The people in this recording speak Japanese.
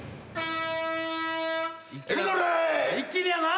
一気にやぞ！